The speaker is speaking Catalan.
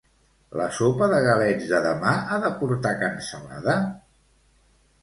La sopa de galets de demà ha de portar cansalada?